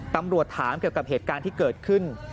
ตำรวจถามเกี่ยวกับเหตุการณ์ที่เกิดขึ้น